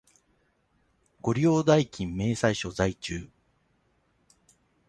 ご利用代金明細書在中